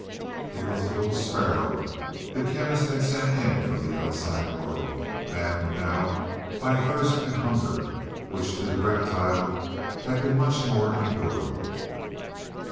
It was the little sparrow the Chemist had sent in from the outside world maddened now by thirst and hunger, which to the reptile had been much more endurable.